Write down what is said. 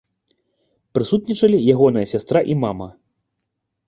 Прысутнічалі ягоныя сястра і мама.